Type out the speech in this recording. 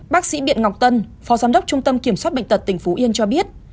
bác sĩ biện ngọc tân phó giám đốc trung tâm kiểm soát bệnh tật tỉnh phú yên cho biết